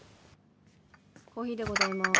コーヒーでございます。